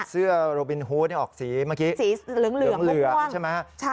เสื้อโรบินฮูธนี่ออกสีเหลืองเหลือใช่ไหม